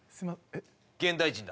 現代人だ。